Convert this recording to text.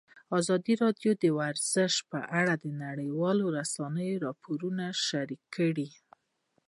ازادي راډیو د ورزش په اړه د نړیوالو رسنیو راپورونه شریک کړي.